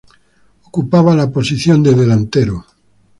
Ocupaba la posición de delantero.